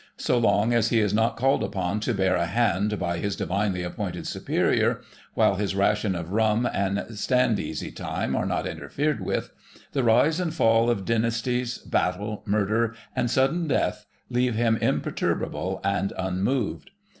So long as he is not called upon to bear a hand by his divinely appointed superior, while his ration of rum and stand easy time are not interfered with, the rise and fall of dynasties, battle, murder, and sudden death, leave him imperturbable and unmoved.